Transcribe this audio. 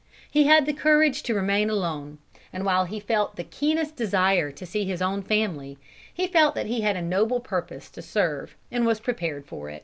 He had the courage to remain alone. And while he felt the keenest desire to see his own family, he felt that he had a noble purpose to serve and was prepared for it."